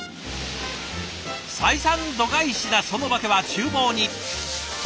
採算度外視なその訳はちゅう房に。